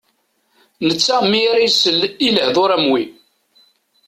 Netta mi ara isel i lehdur am wi.